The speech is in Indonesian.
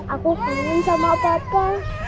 aku penuh sama papa